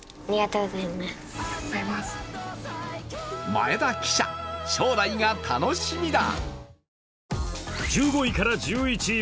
前田記者、将来が楽しみだ。